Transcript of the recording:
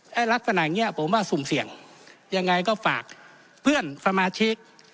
ลักษณะอย่างเงี้ยผมว่าสุ่มเสี่ยงยังไงก็ฝากเพื่อนสมาชิก